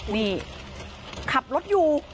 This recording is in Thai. นี่ขับรถอยู่